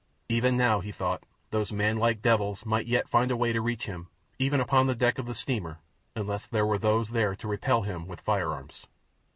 Even now, he thought, these manlike devils might yet find a way to reach him even upon the deck of the steamer unless there were those there to repel them with firearms.